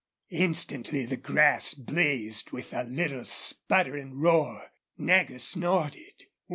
Instantly the grass blazed with a little sputtering roar. Nagger snorted.